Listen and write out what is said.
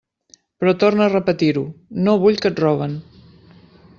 Però torne a repetir-ho: no vull que et roben.